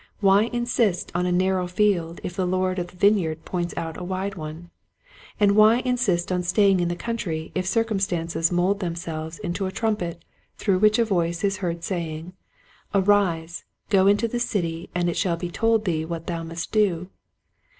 Why insist on a narrow field if the Lord of the vine yard points out a wide one .? And why insist on staying in the country if circum stances mould themselves into a trumpet through which a voice is heard saying, " Arise, go into the city and it shall be told thee what thou must do